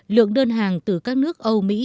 lượng đơn hàng từ các nước âu mỹ